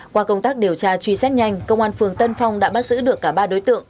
qua công tác điều tra truy xét nhanh công an phường tân phong đã bắt giữ được cả ba đối tượng